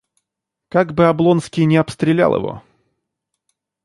Как бы Облонский не обстрелял его?